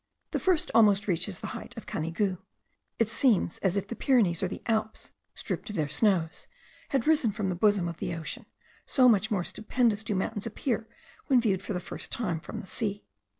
The first almost reaches the height of Canigou; it seems as if the Pyrenees or the Alps, stripped of their snows, had risen from the bosom of the ocean; so much more stupendous do mountains appear when viewed for the first time from the sea.